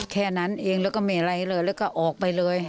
แค่นั้นเองแล้วก็ไม่อะไรเลยแล้วก็ออกไปเลย